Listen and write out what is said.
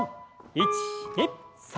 １２３！